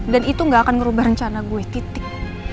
dan itu gak akan ngerubah rencana gue titik